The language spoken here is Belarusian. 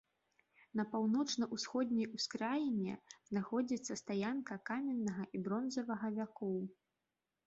На паўночна-ўсходняй ускраіне знаходзіцца стаянка каменнага і бронзавага вякоў.